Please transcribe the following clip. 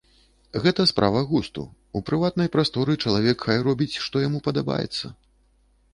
Гэта справа густу, у прыватнай прасторы чалавек хай робіць, што яму падабаецца.